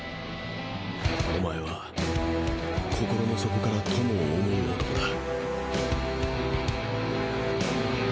おまえは心の底から友を想う男だ